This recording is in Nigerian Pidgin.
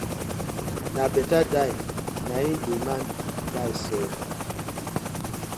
Na betta die na im di man die so.